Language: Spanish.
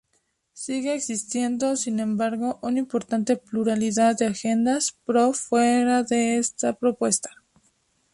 Sigue existiendo, sin embargo, una importante pluralidad de agendas pro fuera de esta propuesta.